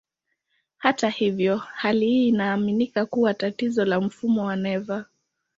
Hata hivyo, hali hii inaaminika kuwa tatizo la mfumo wa neva.